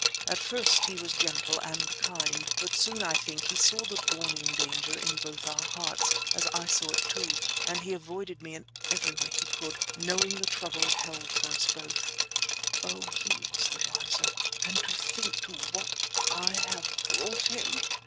At first he was gentle and kind, but soon, I think, he saw the dawning danger in both our hearts, as I too saw it, and he avoided me in every way he could, knowing the trouble it held for us both. Oh! he was the wiser and to think to what I have brought him.